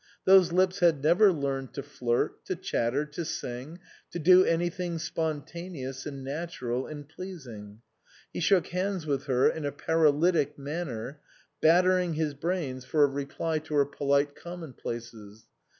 Those lips had never learned to flirt, to chatter, to sing, to do anything spontaneous and natural and pleasing. He shook hands with her in a paralytic manner, battering his brains for a reply to her THE COSMOPOLITAN polite commonplaces.